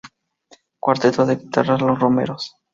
Cuarteto de Guitarras Los Romeros